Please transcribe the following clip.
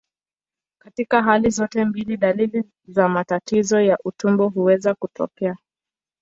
Katika hali zote mbili, dalili za matatizo ya utumbo huweza kutokea.